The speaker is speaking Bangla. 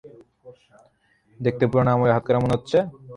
দেখতে পুরানো আমলের হাতকড়া মনে হচ্ছে।